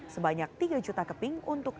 sebanyak tiga juta keping untuk